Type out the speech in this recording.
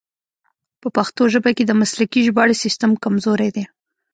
په پښتو ژبه کې د مسلکي ژباړې سیستم کمزوری دی.